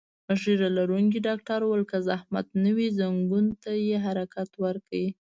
ږیره لرونکي ډاکټر وویل: که زحمت نه وي، ځنګون ته یې حرکت ورکړئ.